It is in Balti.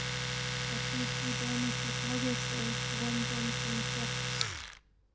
اپی سی دو نہ شوخمو بیاسے غوم بوم کُن فیاقس